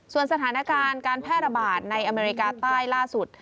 ส่วนสถานการณ์การแพร่ระบาดในอเมริกาใต้ล่าสุด